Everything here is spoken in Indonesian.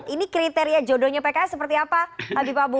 ini kriteria jodohnya pks seperti apa habib abu